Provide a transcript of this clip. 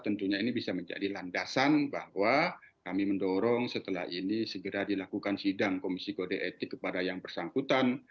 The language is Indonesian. tentunya ini bisa menjadi landasan bahwa kami mendorong setelah ini segera dilakukan sidang komisi kode etik kepada yang bersangkutan